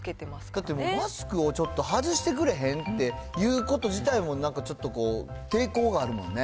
だって、マスクをちょっと外してくれへん？って言うこと自体もなんかちょっとこう、抵抗があるもんね。